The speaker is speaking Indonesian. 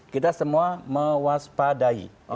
kita semua mewaspadai